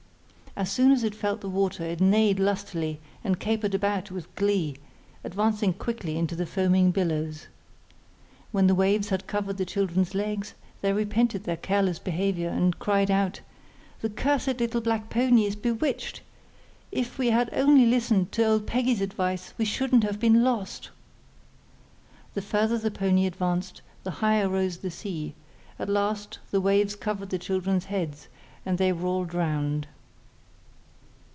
As soon as it felt the water it neighed lustily and capered about with glee, advancing quickly into the foaming billows. When the waves had covered the children's legs they repented their careless behaviour, and cried out: 'The cursed little black pony is bewitched. If we had only listened to old Peggy's advice we shouldn't have been lost.' The further the pony advanced, the higher rose the sea; at last the waves covered the children's heads and they were all drowned.